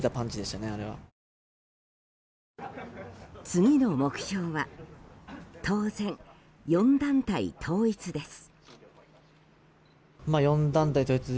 次の目標は当然、４団体統一です。